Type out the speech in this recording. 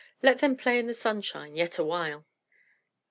Let them play in the sunshine yet awhile."